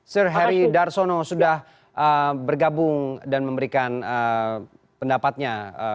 sir harry d'arsono sudah bergabung dan memberikan pendapatnya